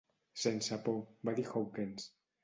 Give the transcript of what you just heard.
"Sense por", va dir Hawkins.